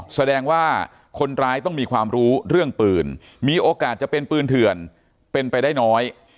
แสดงว่าคนร้ายต้องมีความรู้เรื่องปืนมีโอกาสจะเป็นปืนเถื่อนเป็นไปได้น้อย